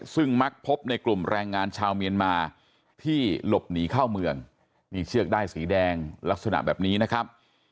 ซึ่งมักพบในกลุ่มแรงงานชาวเมียนมาที่หลบหนีเข้าเมืองนี่เชือกด้ายสีแดงลักษณะแบบนี้นะครับ